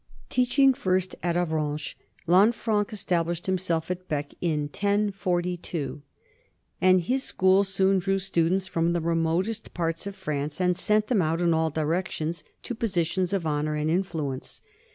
Teaching first at Avranches, Lanfranc estab lished himself at Bee in 1042, and his school soon drew students from the remotest parts of France and sent them out in all directions to positions of honor and in fluence.